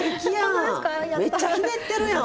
めっちゃひねってるやん！